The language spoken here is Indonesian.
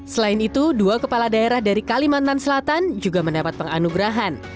selain itu dua kepala daerah dari kalimantan selatan juga mendapat penganugerahan